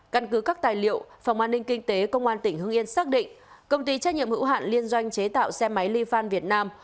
căn cứ các tài liệu phòng an ninh kinh tế công an tỉnh hưng yên xác định công ty trách nhiệm hữu hạn liên doanh chế tạo xe máy li fan việt nam